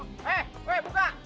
eh gue buka